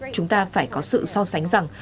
chúng ta phải có sự so sánh rằng